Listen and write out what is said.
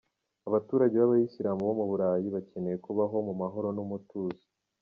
Abaturage b’abayisilamu bo mu Burayi bakeneye kubaho mu mahoro n’umutuzo.